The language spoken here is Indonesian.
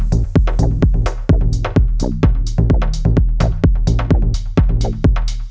kenapa harus begini ya allah